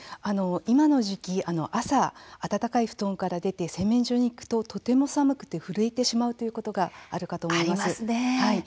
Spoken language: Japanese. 今の時期朝、暖かい布団から出て洗面所に行くととても寒くて震えてしまうということがあるかと思います。